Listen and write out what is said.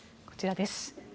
こちらです。